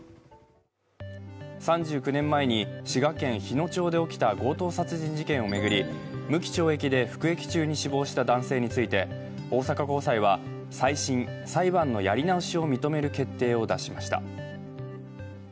３９年前に滋賀県日野町で起きた強盗殺人事件を巡り、無期懲役で服役中に死亡した男性について大阪高裁は再審、裁判のやり直しを認める決定を出しました。